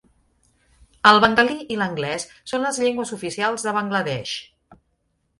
El bengalí i l'anglès són les llengües oficials de Bangladesh.